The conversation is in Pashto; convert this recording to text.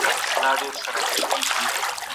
دا کتاب تر ټولو زوړ کتاب دی.